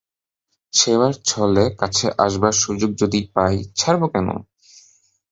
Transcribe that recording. সেবার ছলে কাছে আসবার সুযোগ যদি পাই ছাড়ব কেন।